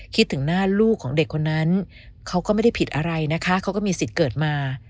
คิดถึงหน้าลูกของเด็กคนนั้นเขาก็ไม่ได้ผิดอะไรนะคะเขาก็มีสิทธิ์เกิดมา